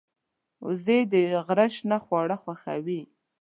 وزې د غره شنه خواړه خوښوي